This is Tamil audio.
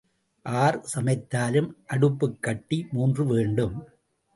ஆர் சமைத்தாலும் அடுப்புக் கட்டி மூன்று வேண்டும்.